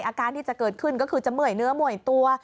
อาการที่จะเกิดขึ้นก็คือจะเมื่อยเนื้อเมื่อยตัว